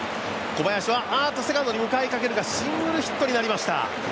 小林は、セカンドに向かいかけるがシングルヒットになりました。